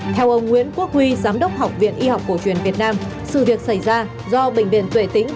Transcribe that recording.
theo ông nguyễn quốc huy giám đốc học viện y học cổ truyền việt nam sự việc xảy ra do bệnh viện tuệ tĩnh